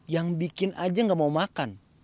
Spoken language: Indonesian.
yang bikin aja gak mau makan